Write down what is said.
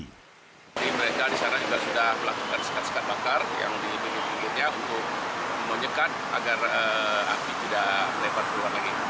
jadi mereka disarankan sudah melakukan sekat sekat bakar yang dihitungi untuk menonjekan agar api tidak lebat keluar lagi